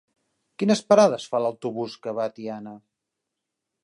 Quines parades fa l'autobús que va a Tiana?